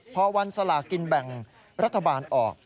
พอวันสลากินแบ่งรัฐบาลออก